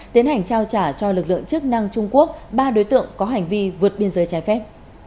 tiến hành trao trả cho lực lượng chức năng trung quốc ba đối tượng có hành vi vượt biên giới trái phép